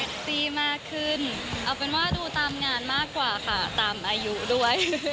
ซี่มากขึ้นเอาเป็นว่าดูตามงานมากกว่าค่ะตามอายุด้วย